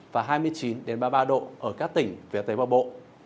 và hai mươi chín ba mươi ba độ ở các tỉnh phía tây bắc bộ